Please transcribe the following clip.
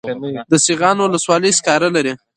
د سیغان ولسوالۍ سکاره لري